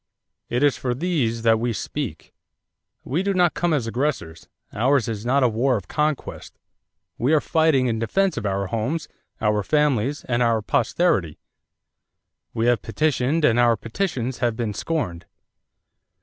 It is for these that we speak. We do not come as aggressors. Ours is not a war of conquest. We are fighting in defense of our homes, our families, and our posterity. We have petitioned and our petitions have been scorned.